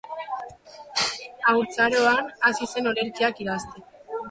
Haurtzaroan hasi zen olerkiak idazten.